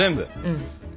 うん。